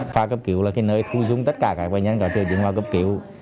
khoa cấp cứu là cái nơi thu dung tất cả các bệnh nhân có tiêu chứng vào cấp cứu